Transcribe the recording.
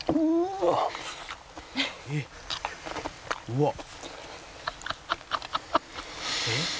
「うわっ」